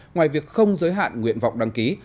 ngoài việc không giới hạn nguyện vọng đăng ký